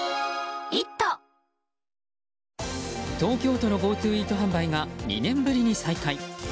東京都のＧｏＴｏイート販売が２年ぶりに再開。